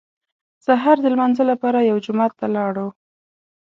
سهار د لمانځه لپاره یو جومات ته لاړو.